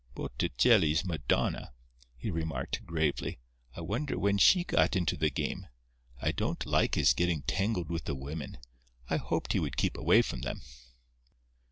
"Botticelli's Madonna," he remarked, gravely. "I wonder when she got into the game. I don't like his getting tangled with the women. I hoped he would keep away from them."